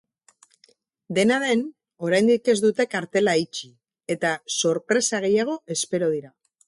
Dena den, oraindik ez dute kartela itxi eta sorpresa gehiago espero dira.